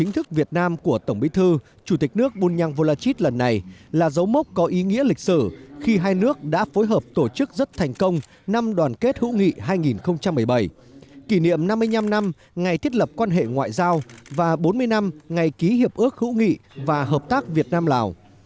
thức việt nam của tổng bí thư chủ tịch nước bunyang volachit lần này là dấu mốc có ý nghĩa lịch sử khi hai nước đã phối hợp tổ chức rất thành công năm đoàn kết hữu nghị hai nghìn một mươi bảy kỷ niệm năm mươi năm năm ngày thiết lập quan hệ ngoại giao và bốn mươi năm ngày ký hiệp ước hữu nghị và hợp tác việt nam lào